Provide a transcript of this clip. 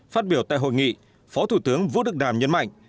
phát biểu tại hội nghị phó thủ tướng vũ đức đàm nhấn mạnh